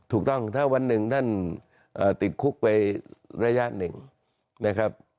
ถูกต้องถ้าวันหนึ่งท่านติดคุกไประยะหนึ่งนะครับ